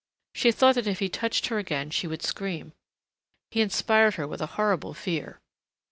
She thought that if he touched her again she would scream. He inspired her with a horrible fear.